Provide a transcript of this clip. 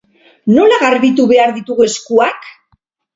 Nola garbitu behar ditugu eskuak?